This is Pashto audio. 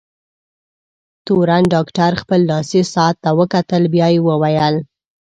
تورن ډاکټر خپل لاسي ساعت ته وکتل، بیا یې وویل: